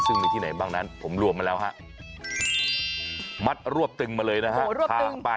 ซึ่งมีที่ไหนบ้างนั้นผมรวมมาแล้วฮะมัดรวบตึงมาเลยนะฮะพากันไป